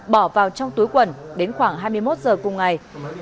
bỏ vào trong túi quần đến khoảng hai mươi một giờ cùng ngày